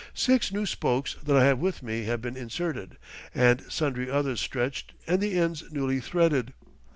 Six new spokes that I have with me have been inserted, and sundry others stretched and the ends newly threaded.